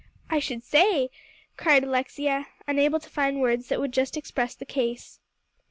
"I should say," cried Alexia, unable to find words that would just express the case.